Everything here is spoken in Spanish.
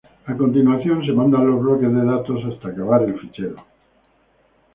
A continuación se mandan los bloques de datos hasta acabar el fichero.